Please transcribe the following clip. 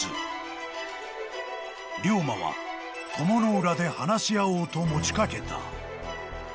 ［龍馬は鞆の浦で話し合おうと持ち掛けた］